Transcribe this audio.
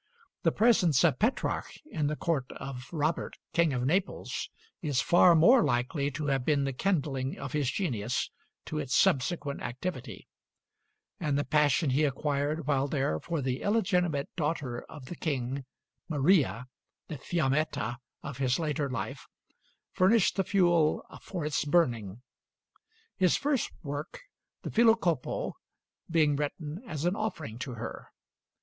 The presence of Petrarch in the court of Robert, King of Naples, is far more likely to have been the kindling of his genius to its subsequent activity: and the passion he acquired while there for the illegitimate daughter of the King, Maria, the Fiammetta of his later life, furnished the fuel for its burning; his first work, the 'Filocopo,' being written as an offering to her.